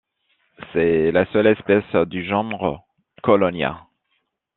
C'est la seule espèce du genre Colonia.